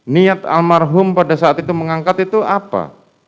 niat almarhum pada saat itu mengangkat itu apa